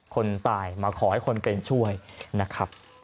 คนตายมาขอให้คนเป็นช่วยนะครับ